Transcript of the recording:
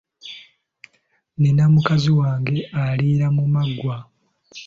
Nnina mukazi wange aliira mu maggwa.